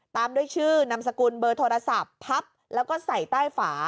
ตามด้วยชื่อนามสกุลเบอร์โทรศัพท์พับแล้วก็ใส่ใต้ฝา